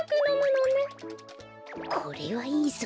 これはいいぞ。